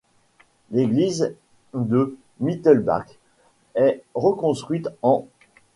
L'église de Mittelbach est reconstruite en -.